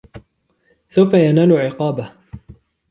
سوف ينال عقابه